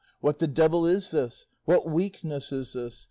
What the devil is this? What weakness is this?